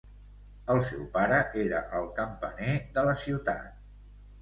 El seu pare era el campaner de la ciutat.